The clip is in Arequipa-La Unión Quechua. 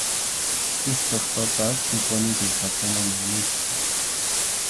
Huk kaqtaqa Sikwanipim saqimuni nispa.